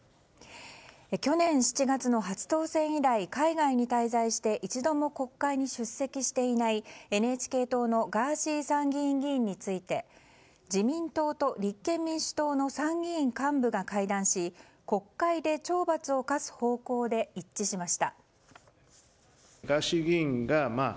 去年７月の初当選以来海外に滞在して一度も国会に出席していないＮＨＫ党のガーシー参議院議員について自民党と立憲民主党の参議院幹部が会談し国会で懲罰を科す方向で一致しました。